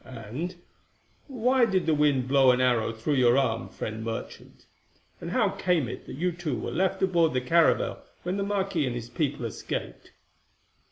And why did the wind blow an arrow through your arm, friend Merchant? And how came it that you two were left aboard the caravel when the marquis and his people escaped?"